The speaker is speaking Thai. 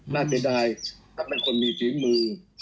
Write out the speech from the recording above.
เสียดายถ้าเป็นคนมีฝีมือ